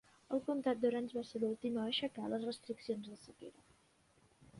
El comtat d'Orange va ser l'últim a aixecar les restriccions de sequera.